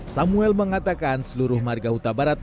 samuel mengatakan seluruh marga huta barat